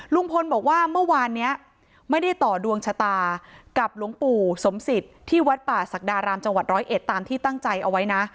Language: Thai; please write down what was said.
ลุงพลบอกว่าเมื่อวานนี้ไม่ได้ต่อดวงชะตากับหลวงปู่สมสิทธิ์ที่วัดป่าศักดารามจังหวัดร้อยเอ็ดตามที่ตั้งใจเอาไว้นะ